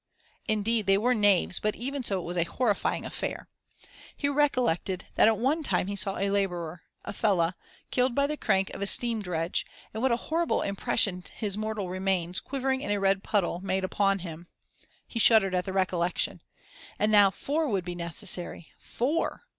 Indeed they were knaves, but even so it was a horrifying affair. He recollected that at one time he saw a laborer a fellah killed by the crank of a steam dredge, and what a horrible impression his mortal remains, quivering in a red puddle, made upon him! He shuddered at the recollection. And now four would be necessary! four!